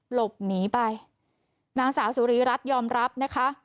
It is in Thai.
หลบหนีไปนางสาวสุรีรัฐยอมรับนะคะ